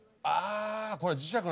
あぁこれ。